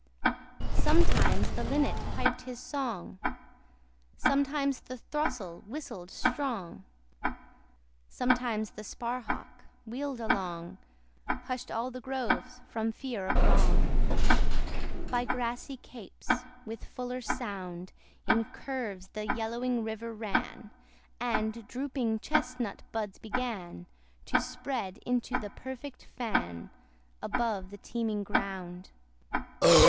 Sometimes the linnet piped his song: Sometimes the throstle whistled strong: Sometimes the sparhawk, wheel'd along, Hush'd all the groves from fear of wrong: By grassy capes with fuller sound In curves the yellowing river ran, And drooping chestnut buds began To spread into the perfect fan, Above the teeming ground.